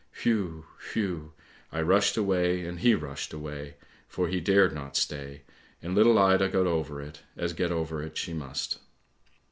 Whew! whew! I rushed away, and he rushed away, for he dared not stay, and little Ida got over it, as get over it she must.